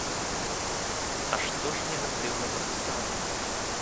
А што ж негатыўна прадстаўлена?